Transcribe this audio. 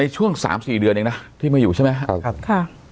ช่วงสามสี่เดือนเองนะที่มาอยู่ใช่ไหมข้า